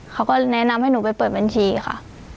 เขาก็แนะนำให้หนูไปเปิดบัญชีค่ะ